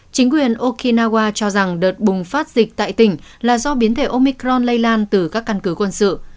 chính quyền okinawa cho rằng đợt bùng phát dịch tại tỉnh là do biến thể omicron lây lan từ các căn cứ quân sự